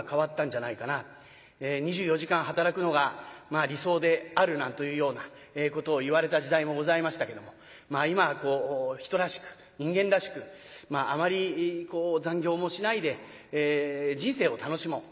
２４時間働くのが理想であるなんというようなことを言われた時代もございましたけども今はこう人らしく人間らしくあまり残業もしないで人生を楽しもう。